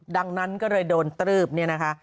ดังนั้นก็เลยโดนตรืบเนี่ยนะคะ